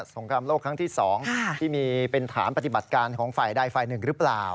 งครามโลกครั้งที่๒ที่มีเป็นฐานปฏิบัติการของฝ่ายใดฝ่ายหนึ่งหรือเปล่า